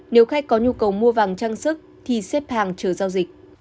nếu khách có nhu cầu mua vàng trang sức thì xếp hàng chờ giao dịch